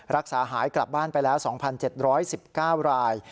รักษาหายกลับบ้านไปแล้ว๒๗๑๙ราย